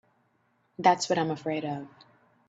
That's what I'm afraid of.